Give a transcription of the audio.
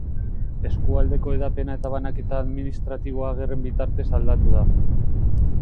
Eskualdeko hedapena eta banaketa administratiboa gerren bitartez aldatu da.